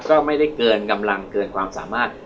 ก็ไม่ได้เกินกำลังเกินความสามารถ